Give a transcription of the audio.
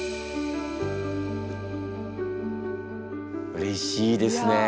うれしいですねえ。